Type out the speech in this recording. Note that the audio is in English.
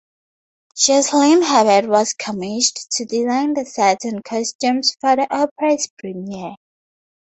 Jocelyn Herbert was commissioned to design the sets and costumes for the opera's premiere.